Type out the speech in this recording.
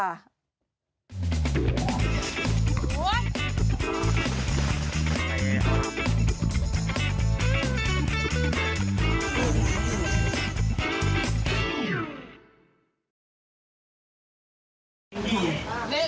คุณครับ